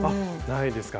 ないですか。